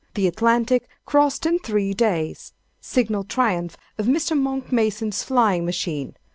—The Atlantic crossed in Three Days! Signal Triumph of Mr. Monck Mason's Flying Machine!